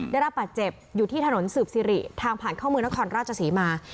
ได้รับบาดเจ็บอยู่ที่ถนนสืบสิริทางผ่านเข้าเมืองนครราชศรีมา